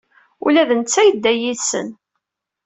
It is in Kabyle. Ula d netta yedda yid-sen.